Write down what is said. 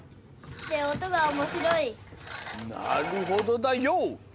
なるほどだＹＯ！